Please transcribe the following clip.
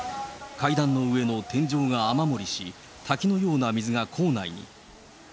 階段の上の天井が雨漏りし、滝のような水が構内に。